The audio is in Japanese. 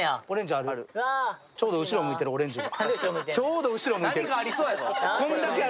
ちょうど後ろ向いてる、オレンジが。